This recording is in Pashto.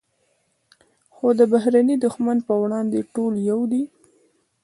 خو د بهرني دښمن پر وړاندې ټول یو دي.